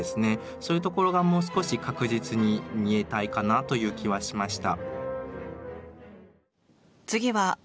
そういうところがもう少し確実に見えたいかなという気はしました。